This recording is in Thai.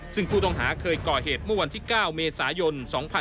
ซึ่งผู้ต้องหาเคยก่อเหตุเมื่อวันที่๙เมษายน๒๕๖๒